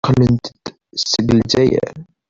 Qqlent-d seg Lezzayer.